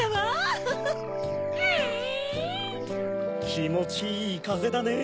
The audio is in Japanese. きもちいいかぜだね。